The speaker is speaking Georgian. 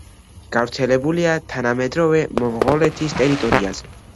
გავრცელებულია თანამედროვე მონღოლეთის ტერიტორიაზე.